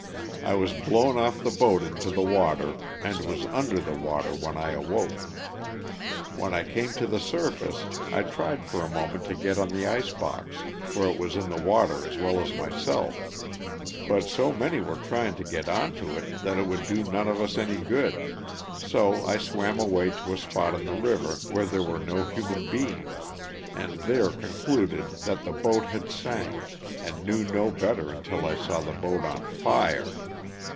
I was blown off the boat into the water and was under the water when I awoke. When I came to the surface I tried for a moment to get on the ice box, for it was in the water as well as myself, but so many were trying to get onto it that it would do none of us any good, so I swam away to a spot in the river where there were no human beings, and there concluded that the boat had sank and knew no better until I saw the boat on fire.